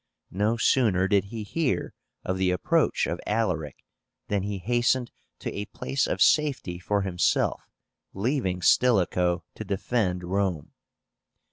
No sooner did he hear of the approach of Alaric, than he hastened to a place of safety for himself, leaving Stilicho to defend Rome.